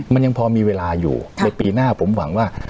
มันยังพอมีเวลาอยู่ในปีหน้าผมหวังว่า